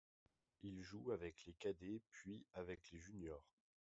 Il joue avec les cadets puis avec les juniors.